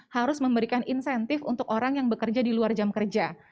harus memberikan insentif untuk orang yang bekerja di luar jam kerja